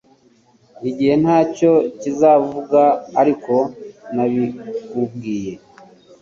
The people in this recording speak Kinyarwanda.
Igihe ntacyo kizavuga ariko nabikubwiye.